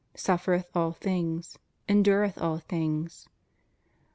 suffereth all things, ... endureth all things.